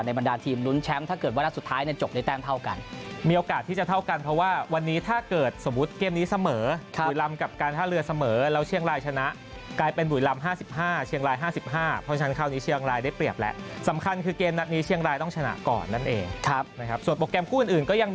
ในบรรดาทีมลุ้นแชมป์ถ้าเกิดวันหน้าสุดท้ายจบได้เต้มเท่ากัน